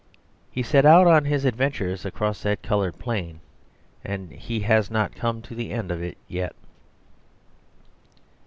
He set out on his adventures across that coloured plain; and he has not come to the end of it yet.